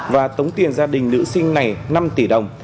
và tống tiền gia đình nữ sinh này năm tỷ đồng